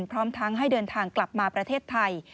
พร้อมทั้งให้เดินทางกลับมาประเทศไทย